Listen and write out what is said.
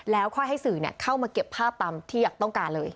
แล้วค่อยให้สื่อเข้ามาเก็บภาพตามที่อยากต้องการเลย